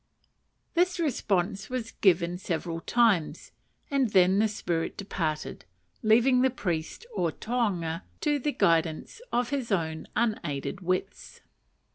This response was given several times, and then the spirit departed, leaving the priest or tohunga to the guidance of his own unaided wits.